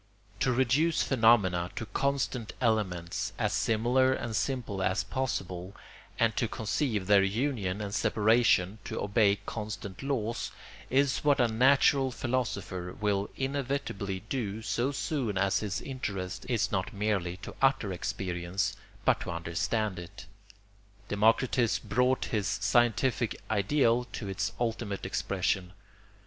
To reduce phenomena to constant elements, as similar and simple as possible, and to conceive their union and separation to obey constant laws, is what a natural philosopher will inevitably do so soon as his interest is not merely to utter experience but to understand it. Democritus brought this scientific ideal to its ultimate expression.